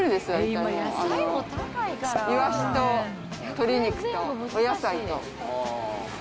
いわしと鶏肉とお野菜と。